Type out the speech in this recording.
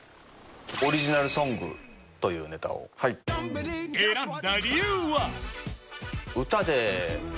「オリジナルソング」というネタをはい選んだ理由は？